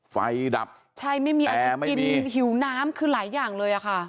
ดับใช่ไม่มีอะไรจะกินหิวน้ำคือหลายอย่างเลยอะค่ะ